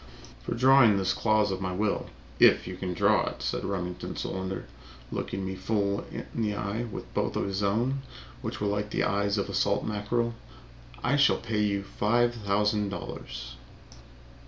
"For drawing this clause of my will, if you can draw it," said Remington Solander, looking me full in the eye with both his own, which were like the eyes of a salt mackerel, "I shall pay you five thousand dollars."